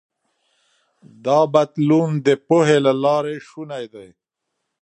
دا بدلون د پوهې له لارې شونی دی.